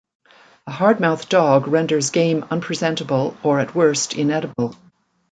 A hard-mouthed dog renders game unpresentable or at worst inedible.